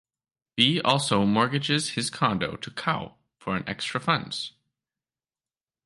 Bee also mortgages his condo to Kau for an extra funds.